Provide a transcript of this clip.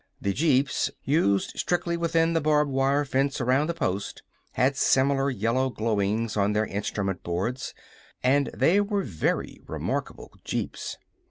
The jeeps used strictly within the barbed wire fence around the post had similar yellow glowings on their instrument boards, and they were very remarkable jeeps.